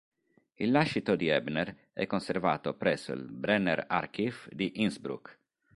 Il lascito di Ebner è conservato presso il Brenner-Archiv di Innsbruck.